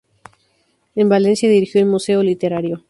En Valencia dirigió "El Museo Literario".